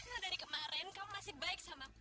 karena dari kemarin kamu masih baik sama aku